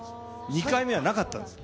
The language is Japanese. ２回目はなかったんですよ。